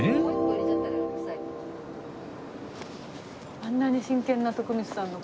あんなに真剣な徳光さんの顔。